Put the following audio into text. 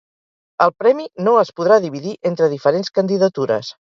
El Premi no es podrà dividir entre diferents candidatures.